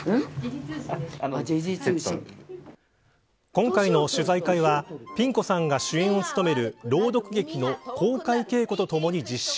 今回の取材会はピン子さんが主演を務める朗読劇の公開稽古とともに実施。